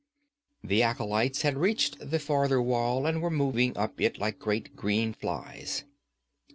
The acolytes had reached the farther wall and were moving up it like great green flies.